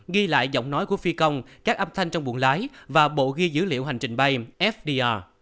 ghi lại giọng nói của phi công các âm thanh trong buồng lái và bộ ghi dữ liệu hành trình bay fda